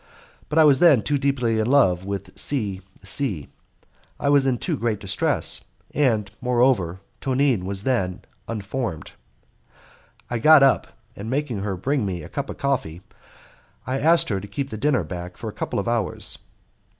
But I was then too deeply in love with C C ; I was in too great distress; and, moreover, Tonine was then unformed. I got up, and making her bring me a cup of coffee I asked her to keep the dinner back for a couple of hours.